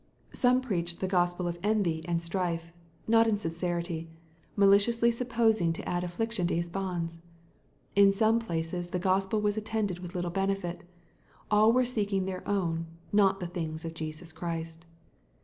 "Some preached" the gospel "of envy and strife, not in sincerity," maliciously "supposing to add affliction to his bonds." In some places the Gospel was attended with little benefit. "All were seeking their own, not the things of Jesus Christ."